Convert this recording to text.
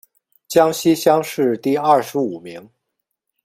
江西乡试第二十五名。